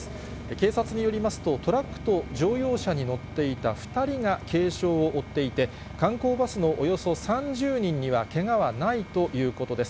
警察によりますと、トラックと乗用車に乗っていた２人が軽傷を負っていて、観光バスのおよそ３０人には、けがはないということです。